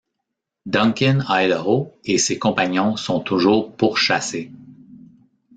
Duncan Idaho et ses compagnons sont toujours pourchassés.